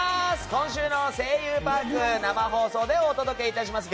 今週の「声優パーク」生放送でお届けいたします。